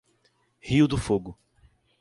Rio do Fogo